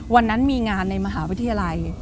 วันนั้นมีงานในมหาวิทยาลัย